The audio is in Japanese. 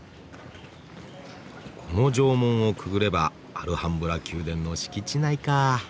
この城門をくぐればアルハンブラ宮殿の敷地内か。